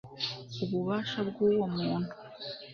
Ububasha bw uwo muntu